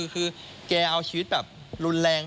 คือแกเอาชีวิตแบบรุนแรง